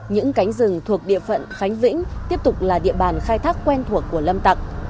những cánh rừng thuộc địa phận khánh vĩnh tiếp tục là địa bàn khai thác quen thuộc của lâm tặc